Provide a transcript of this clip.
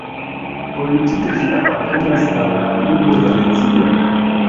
Politike ĝi apartenas al la urbo Venecio.